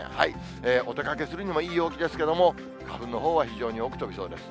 お出かけするにもいい陽気ですけれども、花粉のほうは非常に多く飛びそうです。